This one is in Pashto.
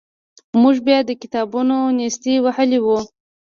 موږ بیا د کتابونو نیستۍ وهلي وو.